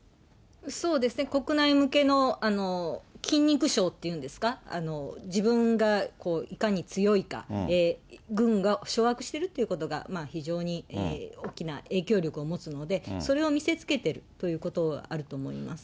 そうですね、国内向けの筋肉ショーというんですか、自分がいかに強いか、軍が掌握してるっていうことが非常に大きな影響力を持つので、それを見せつけてるということはあると思います。